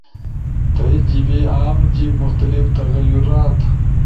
تھأئی جیِبے، عام جیِب/ مختلف تغیرات